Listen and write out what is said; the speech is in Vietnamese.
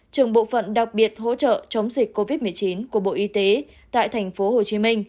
trường bộ phận đặc biệt hỗ trợ chống dịch covid một mươi chín của bộ y tế tại tp hcm